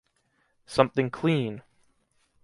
Something clean!